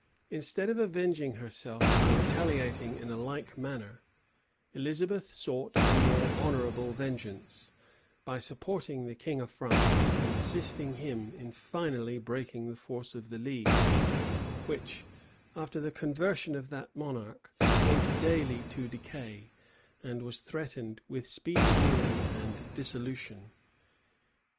[] Instead of avenging herself by retaliating in a like manner, Elizabeth sought a more honorable vengeance, by supporting the king of France, and assisting him in finally breaking the force of the league, which, after the conversion of that monarch, went daily to decay, and was threatened with speedy ruin and dissolution.